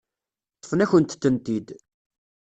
Ṭṭfen-akent-tent-id.